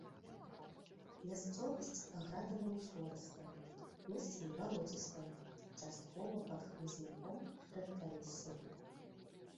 Мясцовасць градава-ўзгорыстая, месцамі балоцістая, часткова пад хмызняком і рэдкалессем.